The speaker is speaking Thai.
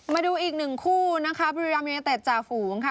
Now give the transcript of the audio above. มาดูอีกหนึ่งคู่นะคะบริราณมิวเตศจาฝูงค่ะ